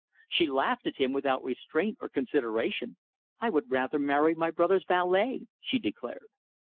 She laughed at him without restraint or consideration. "I would rather marry my brother's valet!" she declared.